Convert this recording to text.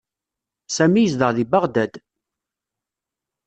Sami yezdeɣ deg Beɣdad.